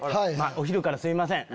お昼からすいません